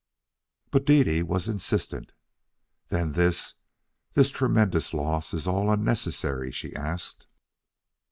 But Dede was insistent. "Then this this tremendous loss is all unnecessary?" she asked.